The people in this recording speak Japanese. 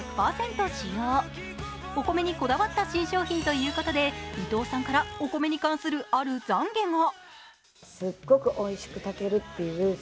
使用お米にこだわった新商品ということで、伊藤さんからお米に関するあるざんげが。